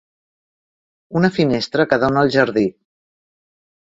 Una finestra que dona al jardí.